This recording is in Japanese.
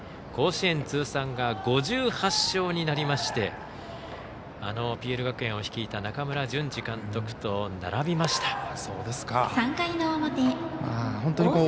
甲子園通算が５８勝になりましてあのＰＬ学園を率いた中村監督と並びました。